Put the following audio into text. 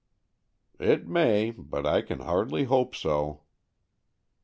"It may, but I can hardly hope so."